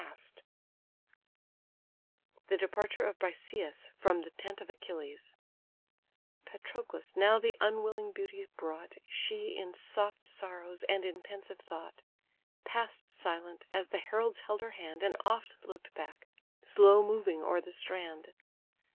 THE DEPARTURE OF BRISEIS FROM THE TENT OF ACHILLES Patroclus now the unwilling beauty brought; She, in soft sorrows, and in pensive thought, Pass'd silent, as the heralds held her hand, And oft look'd back, slow moving o'er the strand.